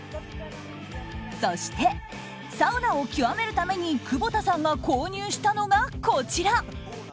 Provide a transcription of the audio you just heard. そして、サウナを極めるために窪田さんが購入したのが、こちら。